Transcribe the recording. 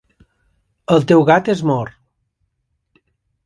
El teu gat és mort.